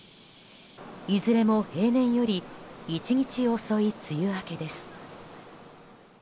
いずれも平年より１日遅い梅雨明けです。